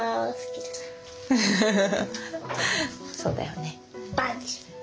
そうだよね。